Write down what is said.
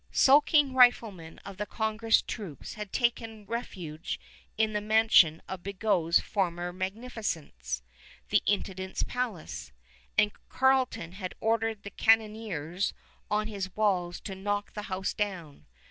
Skulking riflemen of the Congress troops had taken refuge in the mansion of Bigot's former magnificence, the Intendant's Palace, and Carleton had ordered the cannoneers on his walls to knock the house down.